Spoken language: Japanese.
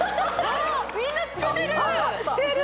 みんなつけてる！